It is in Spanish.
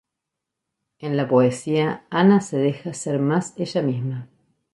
En la poesía Ana se deja ser más ella misma.